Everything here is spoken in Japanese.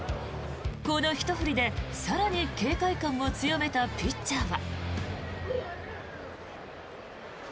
このひと振りで更に警戒感を強めたピッチャーは。